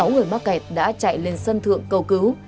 sáu người mắc kẹt đã chạy lên sân thượng cầu cứu